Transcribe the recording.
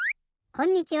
こんにちは。